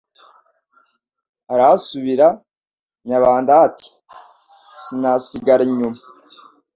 Arahasubira Nyabadaha Ati: sinasigara inyuma